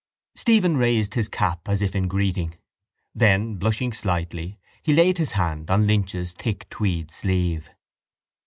Stephen raised his cap as if in greeting. Then, blushing slightly, he laid his hand on Lynch's thick tweed sleeve.